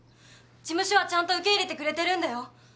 事務所はちゃんと受け入れてくれてるんだよ。